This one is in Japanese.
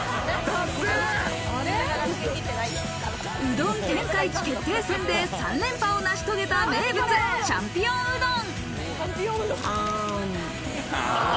うどん天下一決定戦で３連覇を成し遂げた名物チャンピオンうどん。